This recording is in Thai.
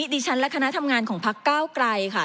ดิฉันและคณะทำงานของพักเก้าไกลค่ะ